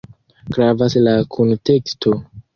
Gravas la kunteksto.